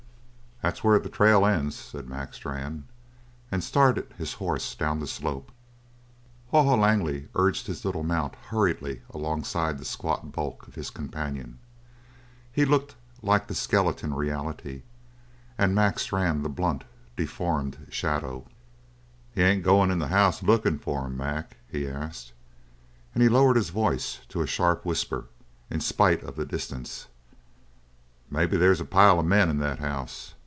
"That's where the trail ends," said Mac Strann, and started his horse down the slope. Haw Haw Langley urged his little mount hurriedly alongside the squat bulk of his companion. He looked like the skeleton reality, and Mac Strann the blunt, deformed shadow. "You ain't going into the house lookin' for him, Mac?" he asked, and he lowered his voice to a sharp whisper in spite of the distance. "Maybe there's a pile of men in that house.